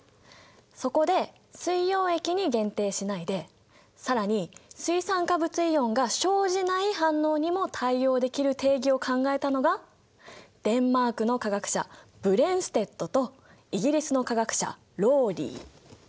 そこで水溶液に限定しないで更に水酸化物イオンが生じない反応にも対応できる定義を考えたのがデンマークの化学者ブレンステッドとイギリスの化学者ローリー。